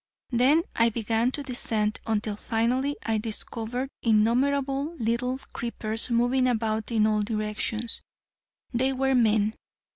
Then I began to descend, until finally I discovered innumerable little creepers moving about in all directions. They were men.